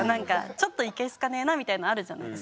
ちょっといけ好かねえなみたいのあるじゃないですか。